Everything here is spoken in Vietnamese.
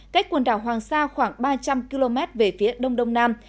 cách quần đảo hoàng sa khoảng ba trăm linh km về phía đông đông nam